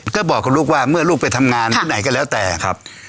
ก็บอกกับลูกว่าเมื่อลูกไปทำงานที่ไหนก็แล้วแต่ครับ